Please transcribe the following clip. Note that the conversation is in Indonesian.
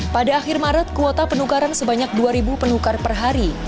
pada akhir maret kuota penukaran sebanyak dua penukar per hari